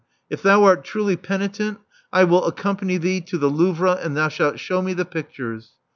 If thou art truly penitent, I will accompany thee to the Louvre; and thou shalt shew me the pictures."